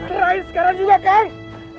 serahin sekarang juga kak